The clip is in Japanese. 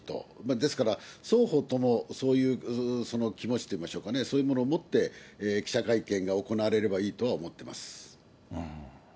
ですから、双方とも、そういう気持ちといいましょうか、そういうものを持って、記者会見が行われればいいとは思ってます。